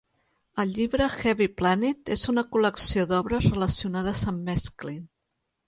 El llibre "Heavy Planet" és una col·lecció d'obres relacionades amb Mesklin.